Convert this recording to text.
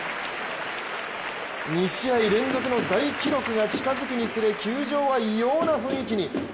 ２試合連続の大記録が近づくにつれ球場は異様な雰囲気に。